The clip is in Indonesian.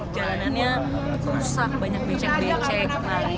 jalanannya rusak banyak becek becek